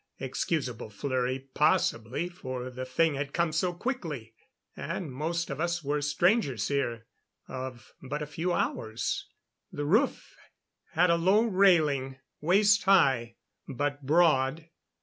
Excusable flurry possibly for the thing had come so quickly, and most of us were strangers here of but a few hours. The roof had a low railing waist high, but broad.